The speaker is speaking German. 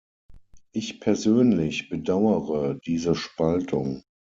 Ich persönlich bedauere diese Spaltung.